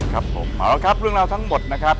ครับผมเอาละครับเรื่องราวทั้งหมดนะครับ